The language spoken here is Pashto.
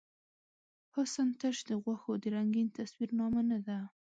حسن تش د غوښو د رنګین تصویر نامه نۀ ده.